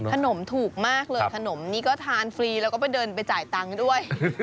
ถูกมากเลยขนมนี้ก็ทานฟรีแล้วก็ไปเดินไปจ่ายตังค์ด้วย